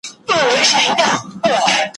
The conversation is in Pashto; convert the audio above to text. وږمه ستا دسنبل چه ښکلوم ته بې خبره